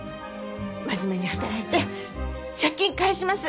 真面目に働いて借金返します。